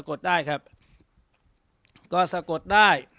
กดได้ครับก็สะกดได้